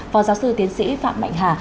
phó giáo sư tiến sĩ phạm mạnh hà